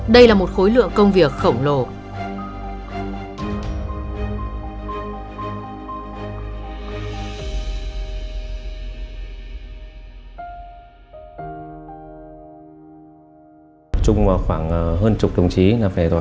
đây là một khối lượng công việc khổng lồ